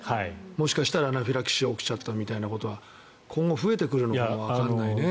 もしかしたらアナフィラキシーが起きちゃったということが今後、増えてくるのかもわからないね。